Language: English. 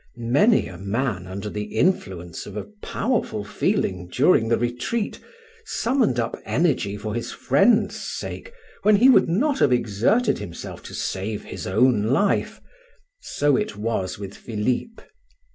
Many a man under the influence of a powerful feeling during the Retreat summoned up energy for his friend's sake when he would not have exerted himself to save his own life; so it was with Philip.